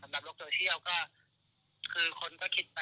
แล้วก็เป็นคนไม่ดีไปทางไหนก็มีเดี๋ยวคนถาม